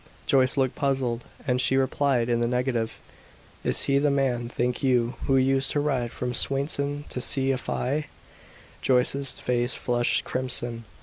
Joyce looked puzzled, and she replied in the negative. "Is he the man, think you, who used to ride from Swainson to see Afy?" Joyce's face flushed crimson.